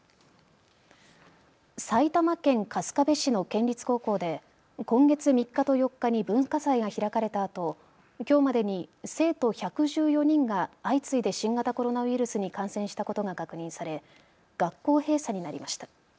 埼玉県春日部市の県立高校で今月３日と４日に文化祭が開かれたあときょうまでに生徒１１４人が相次いで新型コロナウイルスに感染したことが確認され学校閉鎖になりました。